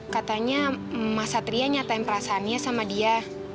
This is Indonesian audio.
katanya mas satria nyatain perasaannya sama dia